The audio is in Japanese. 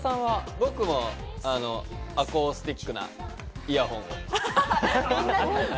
僕もアコースティックなイヤホンを。